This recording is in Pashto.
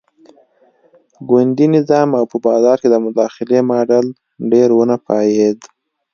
ګوندي نظام او په بازار کې د مداخلې ماډل ډېر ونه پایېد.